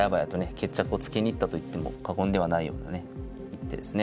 決着をつけに行ったと言っても過言ではないようなね一手ですね。